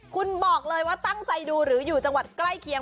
คุณบอกเลยว่าตั้งใจดูหรืออยู่จังหวัดใกล้เคียง